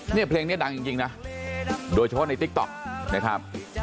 เนี่ยเพลงนี้ดังจริงนะโดยเฉพาะในติ๊กต๊อกนะครับ